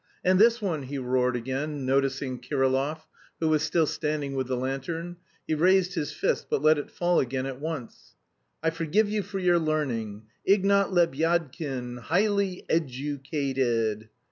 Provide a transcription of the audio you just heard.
"And this one!" he roared again, noticing Kirillov, who was still standing with the lantern; he raised his fist, but let it fall again at once. "I forgive you for your learning! Ignat Lebyadkin high ly ed u cated....